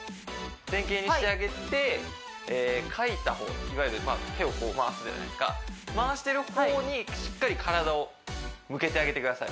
前傾にしてあげてはいかいた方いわゆる手を回すじゃないですか回してる方にしっかり体を向けてあげてください